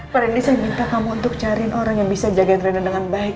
pernah nih saya minta kamu untuk cariin orang yang bisa jagain rena dengan baik